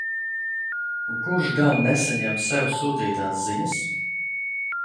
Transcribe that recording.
Un kurš gan nesaņem sev sūtītās ziņas?